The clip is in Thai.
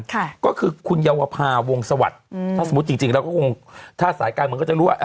ค่ะก็คือคุณเยาวภาวงสวัสดิ์อืมถ้าสมมุติจริงจริงแล้วก็คงถ้าสายการเมืองก็จะรู้ว่า